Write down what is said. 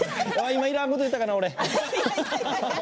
今いらんこと言ったかな、俺。